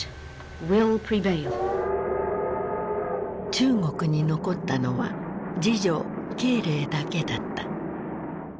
中国に残ったのは次女慶齢だけだった。